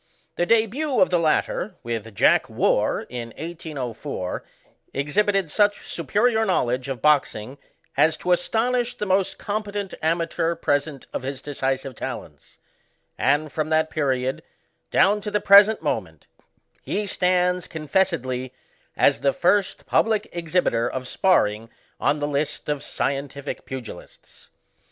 The debiU of the latter, with Jack fVarr, in 1804, exhibited such superior knowledge of boxing as to astonish the most competent amateur present of his decisive talents ; and, from that pe riod, down to the present moment, he stands con fessedly, as the first public exhibitor of sparring on the list of scientific pugilists.